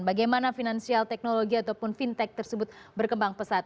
bagaimana finansial teknologi ataupun fintech tersebut berkembang pesat